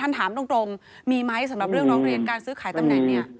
ถามตรงมีไหมสำหรับเรื่องร้องเรียนการซื้อขายตำแหน่งเนี่ย